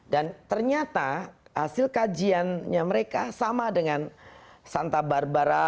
dan ternyata hasil kajiannya mereka sama dengan santa barbara